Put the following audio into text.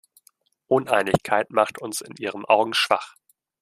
Uneinigkeit macht uns in ihren Augen schwach.